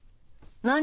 何？